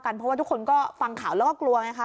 เพราะว่าทุกคนก็ฟังข่าวแล้วก็กลัวไงคะ